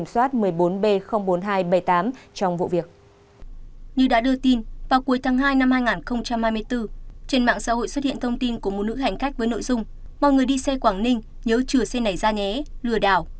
mọi người đi xe quảng ninh nhớ chừa xe này ra nhé lừa đảo